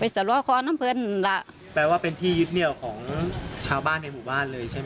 ไปสร้อคอน้ำเพื่อนล่ะแปลว่าเป็นที่ยึดเนี่ยของชาวบ้านในหมู่บ้านเลย